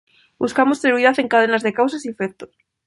Buscamos seguridad en cadenas de causas y efectos.